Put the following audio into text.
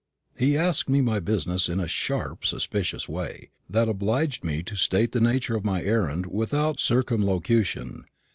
He asked me my business in a sharp suspicious way, that obliged me to state the nature of my errand without circumlocution.